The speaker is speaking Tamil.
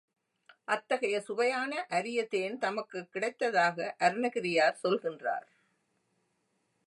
அத்தகைய சுவையான அரிய தேன் தமக்குக் கிடைத்ததாக அருணகிரியார் சொல்கின்றார்.